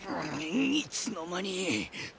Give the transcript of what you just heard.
いつの間に。